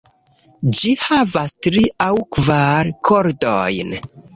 Ĝi havas tri aŭ kvar kordojn.